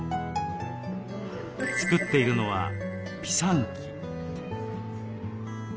作っているのはピサンキ。